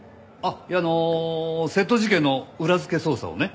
いやあの窃盗事件の裏付け捜査をね。